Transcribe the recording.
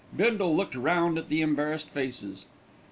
Bindle looked round at the embarrassed faces.